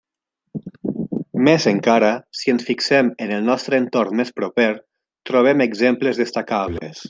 Més encara, si ens fixem en el nostre entorn més proper, trobem exemples destacables.